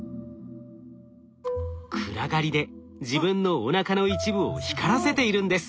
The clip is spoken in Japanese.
暗がりで自分のおなかの一部を光らせているんです。